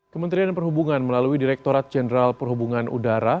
kementerian perhubungan melalui direkturat jenderal perhubungan udara